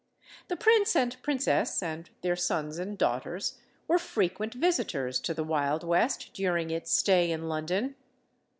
The prince and princess and their sons and daughters were frequent visitors to the Wild West during its stay in London.